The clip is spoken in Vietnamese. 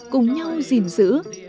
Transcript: cùng nhau gìn giữ